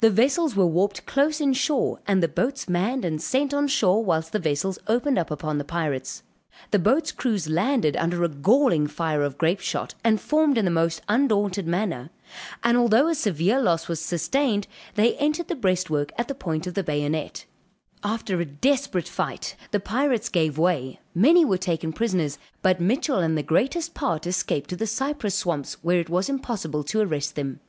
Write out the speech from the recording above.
The vessels were warped close in shore; and the boats manned and sent on shore whilst the vessels opened upon the pirates; the boat's crews landed under a galling fire of grape shot and formed in the most undaunted manner; and although a severe loss was sustained they entered the breastwork at the point of the bayonet; after a desperate fight the pirates gave way, many were taken prisoners but Mitchell and the greatest part escaped to the cypress swamps where it was impossible to arrest them.